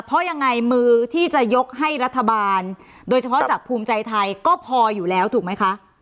เพราะยังไงมือที่จะยกให้รัฐบาลโดยเฉพาะจากภูมิใจไทยก็พออยู่แล้วถูกไหมคะ